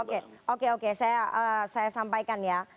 oke oke oke saya sampaikan ya